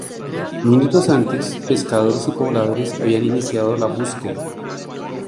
Minutos antes, pescadores y pobladores habían iniciado la búsqueda.